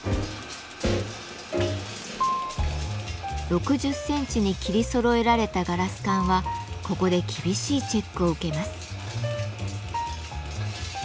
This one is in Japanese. ６０センチに切りそろえられたガラス管はここで厳しいチェックを受けます。